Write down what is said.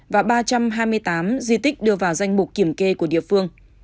và ba trăm hai mươi tám di tích đưa vào danh mục kiểm kê của địa phương